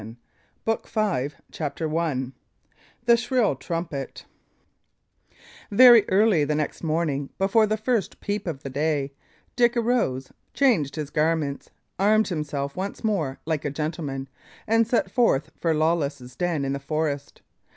BOOK V CROOKBACK CHAPTER I THE SHRILL TRUMPET Very early the next morning, before the first peep of the day, Dick arose, changed his garments, armed himself once more like a gentleman, and set forth for Lawless's den in the forest.